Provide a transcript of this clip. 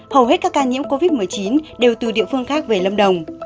hầu hết các ca nhiễm covid một mươi chín đều từ địa phương khác về lâm đồng